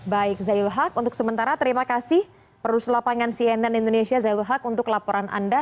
baik zayul haq untuk sementara terima kasih produser lapangan cnn indonesia zayul haq untuk laporan anda